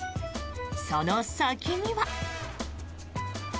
その先には。